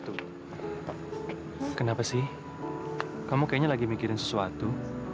kenapa sih kamu kayaknya lagi mikirin sesuatu